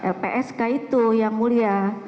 lpsk itu yang mulia